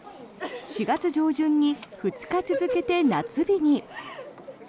４月上旬に２日続けて夏日に。